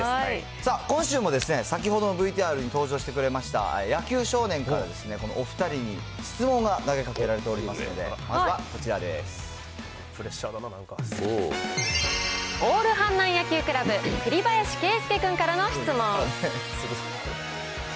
さあ、今週も先ほどのＶＴＲに登場してくれました野球少年からお２人に、質問が投げかけられておりますので、オール阪南野球クラブ、栗林けいすけ君からの質問。